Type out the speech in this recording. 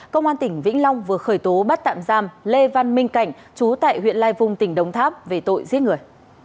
công an tp hcm vừa khởi tố bắt tạm giam lê văn minh cảnh chú tại huyện lai vung tỉnh đồng tháp về tội giết người